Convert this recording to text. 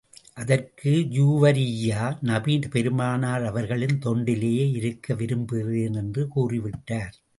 அதற்கு ஜூவரிய்யா, நபி பெருமானார் அவர்களின் தொண்டிலேயே இருக்க விரும்புகிறேன் என்று கூறி விட்டார்.